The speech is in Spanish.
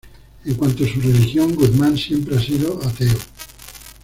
En cuanto a su religión, Guzmán siempre ha sido ateo.